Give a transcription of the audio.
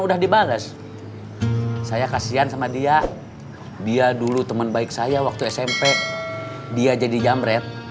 udah dibales saya kasihan sama dia dia dulu teman baik saya waktu smp dia jadi jamret